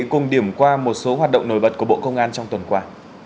cùng điểm qua một số hoạt động nổi bật của bộ công an trong tuần qua